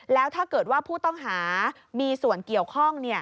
แล้วถ้าเกิดว่าผู้ต้องหามีส่วนเกี่ยวข้อง